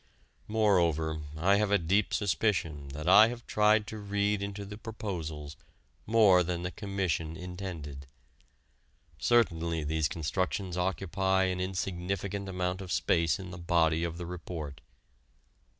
Moreover, I have a deep suspicion that I have tried to read into the proposals more than the Commission intended. Certainly these constructions occupy an insignificant amount of space in the body of the report.